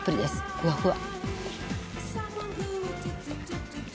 ふわふわ。